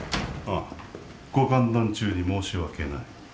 あぁご歓談中に申し訳ない。